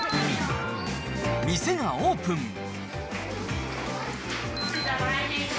店がオープン。